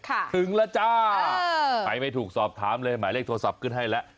ถึงแล้วจ้าใครไม่ถูกสอบถามเลยหมายเลขโทรศัพท์ขึ้นให้แล้ว